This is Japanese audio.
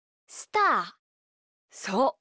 そう。